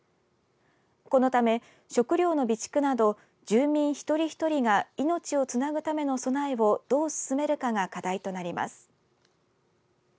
このため食料の備蓄など住民ひとりひとりが命をつなぐための備えをどう進めるかが課題となります。